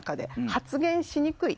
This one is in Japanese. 発言しにくい。